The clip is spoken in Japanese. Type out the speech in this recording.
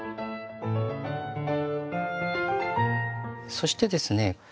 そしてですね